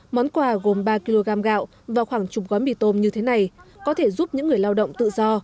món quà gồm ba kg gạo và khoảng chục gói mì tôm như thế này có thể giúp những người lao động tự do